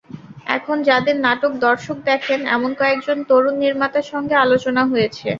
এখন যাঁদের নাটক দর্শক দেখেন, এমন কয়েকজন তরুণ নির্মাতার সঙ্গে আলোচনা হয়েছে।